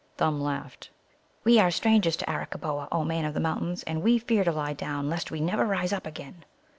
Thumb laughed. "We are strangers to Arakkaboa, O Man of the Mountains. And we fear to lie down, lest we never rise up again."